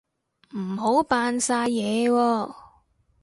唔好扮晒嘢喎